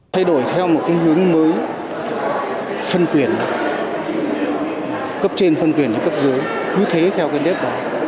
thay đổi theo một cái hướng mới phân quyền cấp trên phân quyền và cấp dưới cứ thế theo cái nét đó